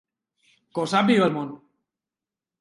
Que ho sàpiga el món!